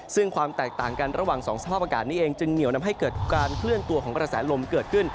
ซึ่งความแตกต่างกันระหว่างสองสภาพอากาศนี้เองจึงเหนียวนำให้เกิดการเคลื่อนตัวของกระแสลมเกิดขึ้น